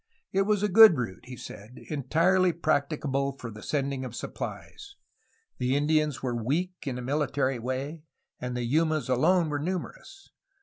It was a good route, he said, entirely practicable for the sending of supplies. The Indians were weak in a military way, and the Yumas alone were numerous.